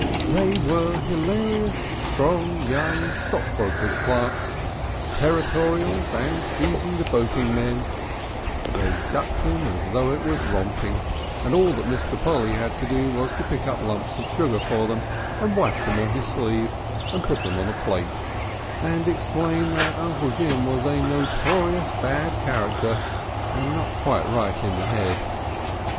They were hilarious, strong young stockbrokers' clerks, Territorials and seasoned boating men; they ducked him as though it was romping, and all that Mr. Polly had to do was to pick up lumps of sugar for them and wipe them on his sleeve and put them on a plate, and explain that Uncle Jim was a notorious bad character and not quite right in his head.